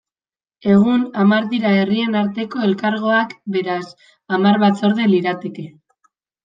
Egun hamar dira herrien arteko elkargoak, beraz, hamar batzorde lirateke.